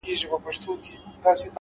د تجربې ارزښت په ازموینه معلومېږي؛